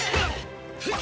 フッ！